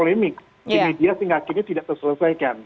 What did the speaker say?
ini dia sehingga akhirnya tidak terselesaikan